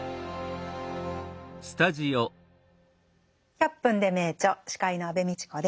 「１００分ｄｅ名著」司会の安部みちこです。